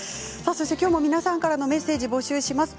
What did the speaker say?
きょうも皆さんからのメッセージを募集します。